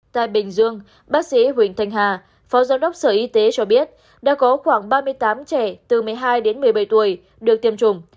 tại bình dương bác sĩ huỳnh thanh hà phó giám đốc sở y tế cho biết đã có khoảng ba mươi tám trẻ từ một mươi hai đến một mươi bảy tuổi được tiêm chủng